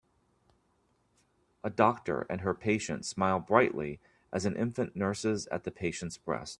A doctor and her patient smile brightly as an infant nurses at the patient 's breast.